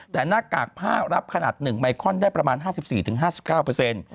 แต่หน้ากากผ้ารับขนาด๑ไมคอนได้ประมาณ๕๔๕๙เปอร์เซ็นต์